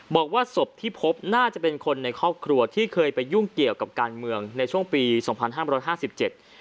บอกว่าศพที่พบน่าจะเป็นคนในครอบครัวที่เคยไปยุ่งเกี่ยวกับการเมืองในช่วงปีสองพันห้ามร้อยห้าสิบเจ็ด